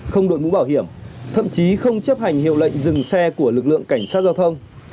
không đội mũ bảo hiểm thậm chí không chấp hành hiệu lệnh dừng xe của lực lượng cảnh sát giao thông